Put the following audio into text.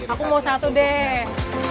aku mau satu deh